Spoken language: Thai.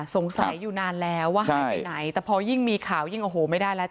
สงสัยอยู่นานแล้วว่าหายไปไหนแต่พอยิ่งมีข่าวยิ่งโอ้โหไม่ได้แล้ว